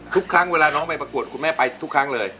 ทุกครั้งเวลาน้องไปประกวดคุณแม่ไปทุกครั้งเลย